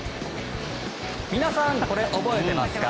皆さん、これ覚えてますか？